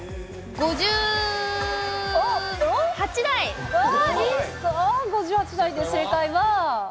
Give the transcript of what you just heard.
５８台で、正解は？